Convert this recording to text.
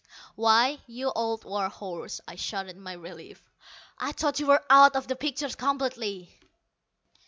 "Why, you old war horse," I shouted in my relief, "I thought you were out of the picture completely!"